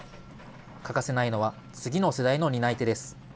欠かせないのは、次の世代の担い手です。